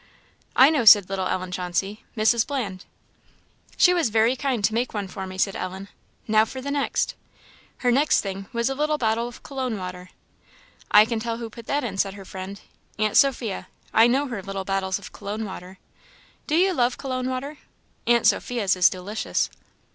"I know," said little Ellen Chauncey "Mrs. Bland." "She was very kind to make one for me," said Ellen. "Now for the next!" Her next thing was a little bottle of Cologne water. "I can tell who put that in," said her friend "Aunt Sophia. I know her little bottles of Cologne water. Do you love Cologne water? Aunt Sophia's is delicious."